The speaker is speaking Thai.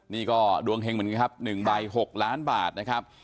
นี่ก็ดวงเฮงเหมือนกันครับ๑ใบ๖ล้านบาทนะครับ